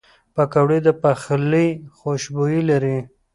پکورې د پخلي خوشبویي لري